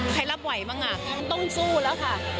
ใครรับไหวบ้างอ่ะมันต้องสู้แล้วค่ะ